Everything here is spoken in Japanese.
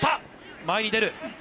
前に出る。